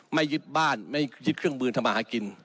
ไม่ยึดบ้านไม่ยึดเครื่องมือทำมาหากิน